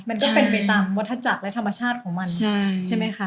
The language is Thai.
มันก็เป็นไปตามวัฒนาจักรและธรรมชาติของมันใช่ไหมคะ